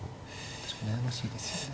確かに悩ましいですよね。